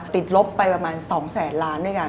ลบไปประมาณ๒แสนล้านด้วยกัน